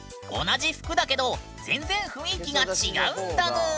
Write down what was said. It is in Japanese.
同じ服だけど全然雰囲気が違うんだぬ！